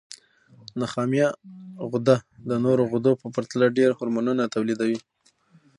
نخامیه غده د نورو غدو په پرتله ډېر هورمونونه تولیدوي.